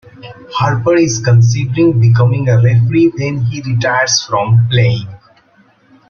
Harper is considering becoming a referee when he retires from playing.